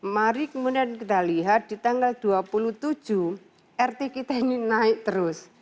mari kemudian kita lihat di tanggal dua puluh tujuh rt kita ini naik terus